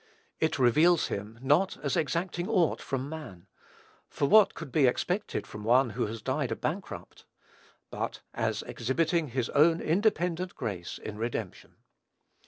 It reveals him, not as exacting aught from man, (for what could be expected from one who has died a bankrupt?) but as exhibiting his own independent grace in redemption.